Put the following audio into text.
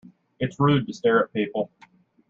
It's rude to stare at people.